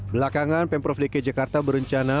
belakangan m prof dki jakarta berencana